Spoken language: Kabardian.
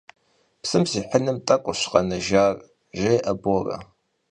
Psım sihınım t'ek'uş khenejjar, - jjê'e Bore.